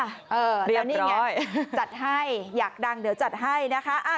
เดี๋ยวนี่ไงจัดให้อยากดังเดี๋ยวจัดให้นะคะ